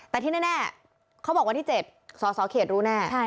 แต่ที่แน่เขาบอกวันที่๗สสเขตรู้แน่